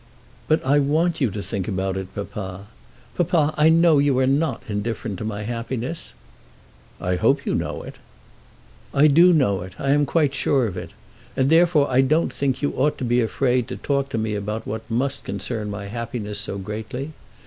"But I want you to think about it, papa. Papa, I know you are not indifferent to my happiness." "I hope you know it." "I do know it. I am quite sure of it. And therefore I don't think you ought to be afraid to talk to me about what must concern my happiness so greatly.